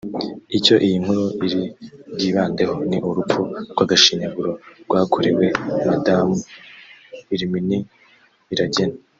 Icyo iyi nkuru iri bwibandeho ni urupfu rw’agashinyaguro rwakorewe madamu Illuminée Iragena